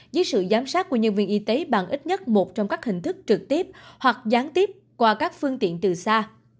dưới sự giám sát của nhân viên y tế bằng ít nhất một trong các hình thức trực tiếp hoặc gián tiếp qua các phương tiện từ xa